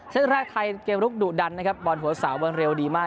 แรกไทยเกมลุกดุดันนะครับบอลหัวสาวบอลเร็วดีมาก